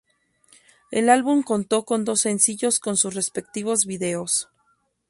El álbum contó con dos sencillos con sus respectivos videos.